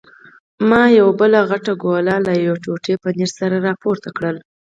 ما یوه بله غټه ګوله له یوې ټوټې پنیر سره راپورته کړل.